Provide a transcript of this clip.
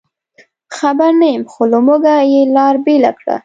خبر نه یم، خو له موږه یې لار بېله کړه.